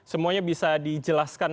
semuanya bisa dijelaskan